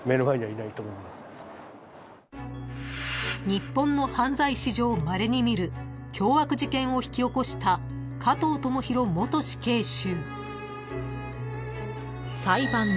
［日本の犯罪史上まれに見る凶悪事件を引き起こした加藤智大元死刑囚］